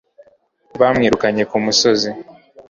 yamwirukanye kumusozi